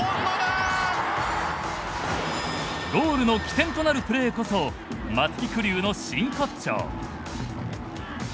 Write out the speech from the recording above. ゴールの起点となるプレーこそ松木玖生の真骨頂。